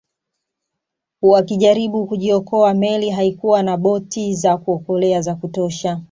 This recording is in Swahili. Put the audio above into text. Wakijaribu kujiokoa meli haikuwa na boti za kuokolea za kutosha